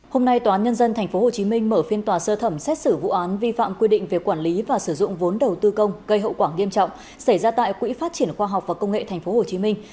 hôm nay tòa án nhân dân thành phố hồ chí minh mở phiên tòa sơ thẩm xét xử vụ án vi phạm quy định về quản lý và sử dụng vốn đầu tư công gây hậu quảng nghiêm trọng xảy ra tại quỹ phát triển khoa học và công nghệ thành phố hồ chí minh